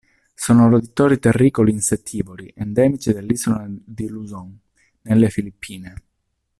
Sono roditori terricoli insettivori endemici dell'isola di Luzon, nelle Filippine.